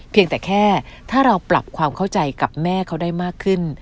เพียงแต่แค่ถ้าเราปรับความเข้าใจกับแม่เขาได้มากขึ้น